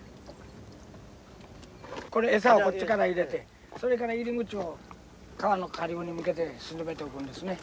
これ餌をこっちから入れてそれから入り口を川の下流に向けて沈めておくんですね。